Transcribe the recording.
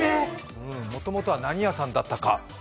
もともとは何屋さんだったか。